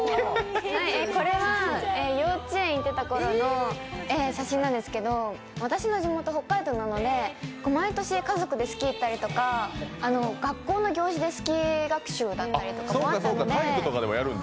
これは幼稚園に行ってたころの写真なんですけど私の地元、北海道なので毎年、家族でスキーに行ったりとか学校の行事でスキー学習だったりもあったので。